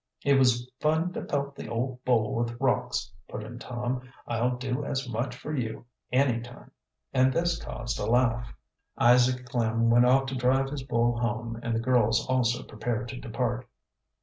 "It was fun to pelt the old bull with rocks," put in Tom. "I'll do as much for you any time," and this caused a laugh. Isaac Klem went off to drive his bull home and the girls also prepared to depart.